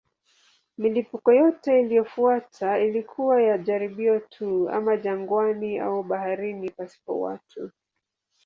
Milipuko yote iliyofuata ilikuwa ya jaribio tu, ama jangwani au baharini pasipo watu.